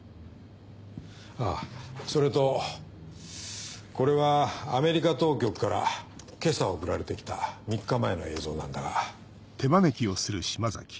あぁそれとこれはアメリカ当局から今朝送られて来た３日前の映像なんだが。